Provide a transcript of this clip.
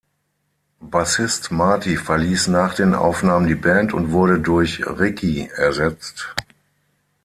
Bassist Marty verließ nach den Aufnahmen die Band und wurde durch Ricky ersetzt.